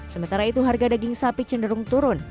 sementara itu harga daging sapi cenderung turun